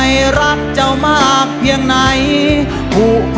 มันจะเคี้ยวได้ด้วย